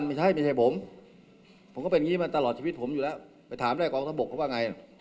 ไม่เห็นเขาเกลียดผมเท่าคน